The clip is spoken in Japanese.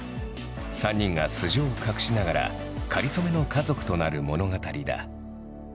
３人が素性を隠しながらかりそめの家族となる物語だ。